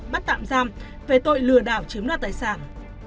bắt tạm giam về tội lừa đảo chiếm đoạt tài sản